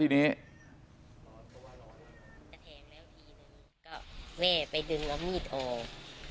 ทีนี้ก็แม่ไปดึงน้ำมีดออก